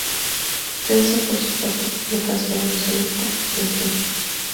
Renzo por su parte publica su álbum solista "Je, Je".